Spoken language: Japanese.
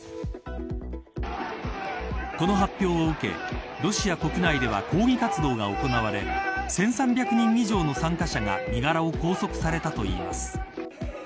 この発表を受け、ロシア国内では抗議活動が行われ１３００人以上の参加者が身柄を拘束されたといいます。